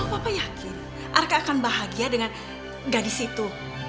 papa yakin arka akan bahagia dengan gadis itu